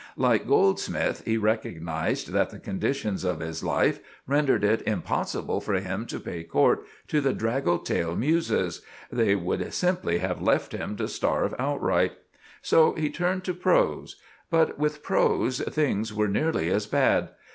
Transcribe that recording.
Like Goldsmith, he recognized that the conditions of his life rendered it impossible for him to pay court to the "draggle tail Muses"; they would simply have left him to starve outright. So he turned to prose; but with prose things were nearly as bad.